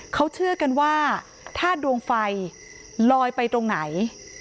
เขาเชื่อกันว่าถ้าดวงไฟลอยไปตรงไหน